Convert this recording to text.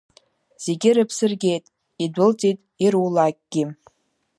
Зегьы рыԥсы ргеит, идәылҵит ирулакгьы.